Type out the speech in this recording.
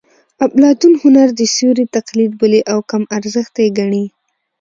اپلاتون هنر د سیوري تقلید بولي او کم ارزښته یې ګڼي